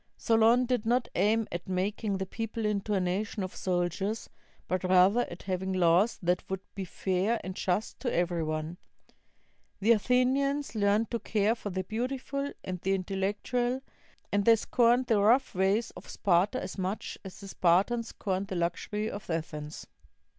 Solon did not aim at making the people into a nation of soldiers, but rather at having laws that would be fair and just to every one. The Athenians learned to care for the beautiful and the intellectual, and they scorned the rough ways of Sparta as much as the Spartans scorned the luxury of Athens.